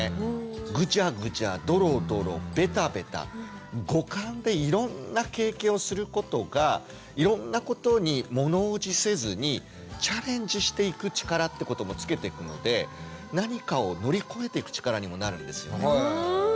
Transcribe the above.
ぐちゃぐちゃドロドロベタベタ五感でいろんな経験をすることがいろんなことに物おじせずにチャレンジしていく力ってこともつけていくので何かを乗り越えていく力にもなるんですよね。